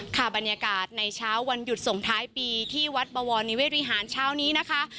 ค่ะบรรยากาศในเช้าวันหยุดส่งท้ายปีที่วัดบวรนิเวศวิหารเช้านี้นะคะ